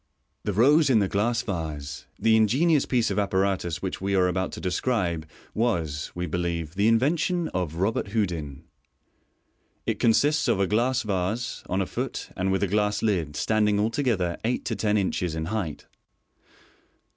The Rose in the Glass Vase. — The ingenious piece of appa ratus which we are about to desciibe was, we believe, the invention of Robert Houdin. It consists i a glass vase, on a foot, and with a glass lid, standing altogether eight to ten inches in height.